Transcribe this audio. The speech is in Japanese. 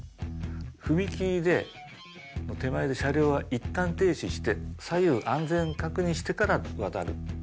踏切の手前で車両はいったん停止して左右安全確認してから渡るっていう。